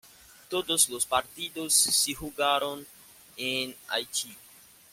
Todos los partidos se jugaron en Haití.